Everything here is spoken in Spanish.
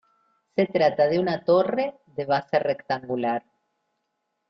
Se trata de una torre de base rectangular.